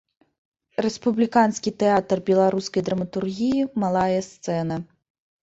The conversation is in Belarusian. Рэспубліканскі тэатр беларускай драматургіі, малая сцэна.